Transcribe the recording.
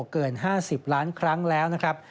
เกิน๕๐ล้านครั้งแล้วนะครับ